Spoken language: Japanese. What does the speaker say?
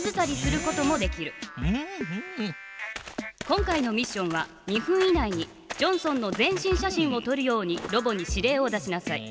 今回のミッションは２分以内にジョンソンの全身写真をとるようにロボに指令を出しなさい。